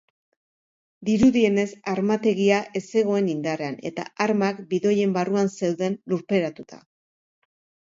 Dirudienez, armategia ez zegoen indarrean, eta armak bidoien barruan zeuden lurperatuta.